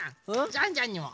ジャンジャンにも！